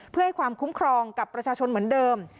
เพื่อให้ความคุ้มครองกับประชาชนเหมือนเดิม